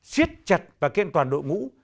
siết chặt và kiện toàn đội ngũ